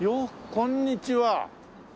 こんにちは。